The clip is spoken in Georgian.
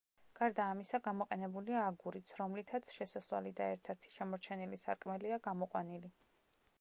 გარდა ამისა, გამოყენებულია აგურიც, რომლითაც შესასვლელი და ერთ-ერთი შემორჩენილი სარკმელია გამოყვანილი.